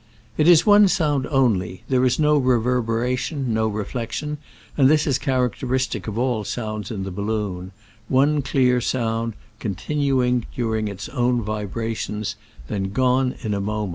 " It is one sound only : there is no reverberation ^ no reflection ; and this is characteristic of all sounds in the balloon— one clear sound, continuing during its own vibrations, then gone in a moment."